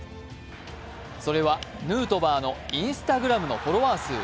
それはヌートバーのＩｎｓｔａｇｒａｍのフォロワー数。